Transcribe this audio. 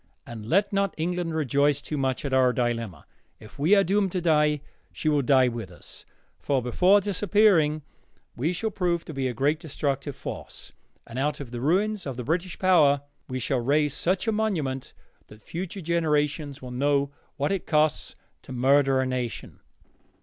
And let not England rejoice too much at our dilemma. If we are doomed to die, she will die with us, for before disappearing we shall prove to be a great destructive force, and out of the ruins of the British power we shall raise such a monument that future generations will know what it costs to murder a nation.